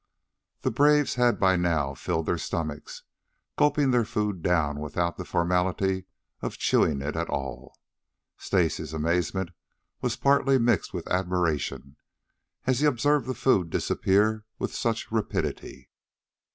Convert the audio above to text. The braves had by now filled their stomachs, gulping their food down without the formality of chewing it at all. Stacy's amazement was partly mixed with admiration as he observed the food disappear with such rapidity.